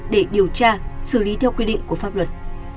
để điều tra xử lý theo quy định của pháp luật